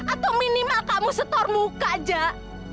atau minimal kamu setor muka jak